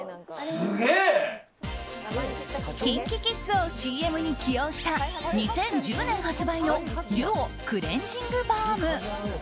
ＫｉｎＫｉＫｉｄｓをＣＭに起用した２０１０年発売のＤＵＯ、クレンジングバーム。